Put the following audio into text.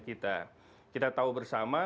kita kita tahu bersama